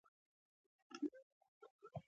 احمد په ملګرو باندې ښې خرڅې کوي.